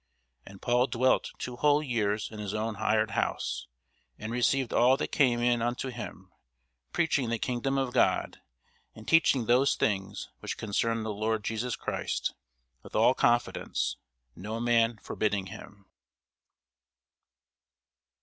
And Paul dwelt two whole years in his own hired house, and received all that came in unto him, preaching the kingdom of God, and teaching those things which concern the Lord Jesus Christ, with all confidence, no man forbidding him.